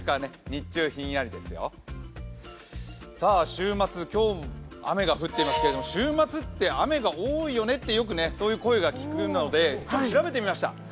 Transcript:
週末、今日は雨が降っていますけれども週末って雨が多いよねっていう声をよく聞くので調べてみました。